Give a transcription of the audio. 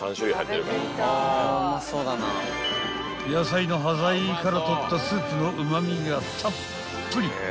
［野菜の端材から取ったスープのうま味がたっぷり］